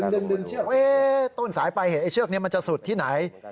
ดึงเชือกต้นสายไปเห็นเชือกนี้มันจะสุดที่ไหน